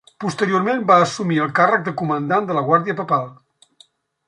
Posteriorment, va assumir el càrrec de comandant de la guàrdia papal.